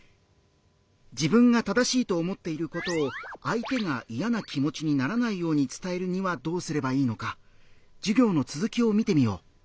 自分が正しいと思っていることを相手が嫌な気持ちにならないように伝えるにはどうすればいいのか授業の続きを見てみよう。